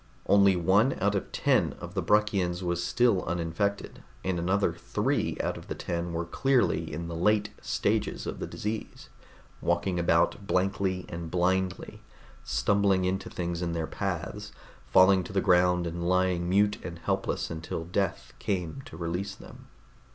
Only one out of ten of the Bruckians was still uninfected, and another three out of the ten were clearly in the late stages of the disease, walking about blankly and blindly, stumbling into things in their paths, falling to the ground and lying mute and helpless until death came to release them.